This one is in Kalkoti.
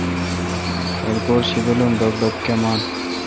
لٹکور شیدل اؘ ڈوگ دوگ کیمان۔